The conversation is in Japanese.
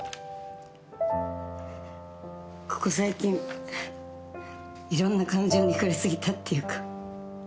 ここ最近いろんな感情に触れすぎたっていうか。